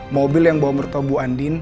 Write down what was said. mobil yang bawa merta bu andin